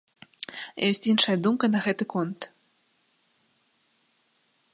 Ёсць іншая думка на гэты конт.